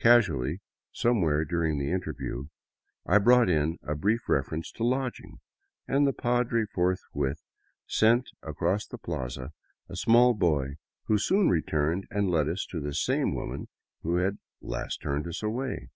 Casu ally, somewhere during the interview, I brought in a brief refer ence to lodging, and the padre forthwith sent across the plaza a small boy who soon returned and led us to the same woman who had last turned us away.